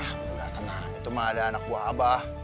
alhamdulillah tenang itu mah ada anak buah abah